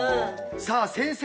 さあ先生